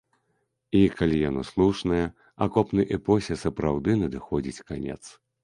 І калі яно слушнае, акопнай эпосе сапраўды надыходзіць канец.